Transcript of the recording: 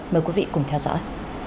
mời quý vị cùng theo dõi